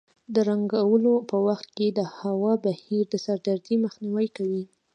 د رنګولو په وخت کې د هوا بهیر د سر دردۍ مخنیوی کوي.